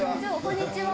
こんにちは。